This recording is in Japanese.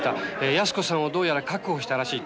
泰子さんをどうやら確保したらしいと。